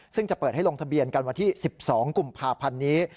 ซึ่งจะเปิดให้ลงทะเบียนกันวันที่๑๒กุมภาพันธ์นี้